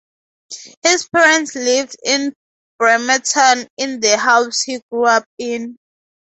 His parents live in Bremerton in the house he grew up in.